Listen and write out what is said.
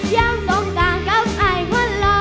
ยังต้องการกับไอ้มันหล่อ